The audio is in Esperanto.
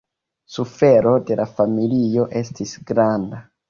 Sufero de la familio estis granda.